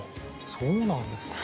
そうなんですか。